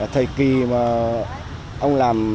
thời kỳ mà ông làm